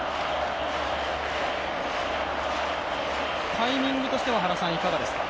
タイミングとしてはいかがですか？